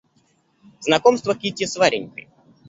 Знакомство Кити с Варенькой.